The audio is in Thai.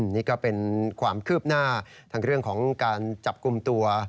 นี่ก็เป็นความคืบหน้าทางเรื่องของการจับกลุ่มตัว